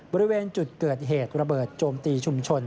บริเวณจุดเกิดเหตุระเบิดโจมตีชุมชน